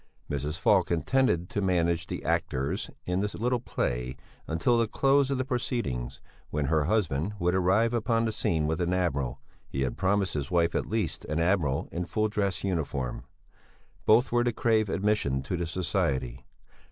Mrs. Falk intended to manage the actors in the little play until the close of the proceedings, when her husband would arrive upon the scene with an admiral he had promised his wife at least an admiral in full dress uniform. Both were to crave admission to the society.